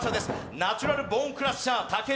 ナチュラルボーンクラッシャー・武尊。